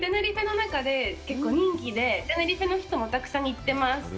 結構人気で、テネリフェの人もたくさん行ってます。